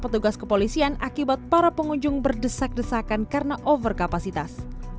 tugas kepolisian akibat para pengunjung berdesak desakan karena overkapasitas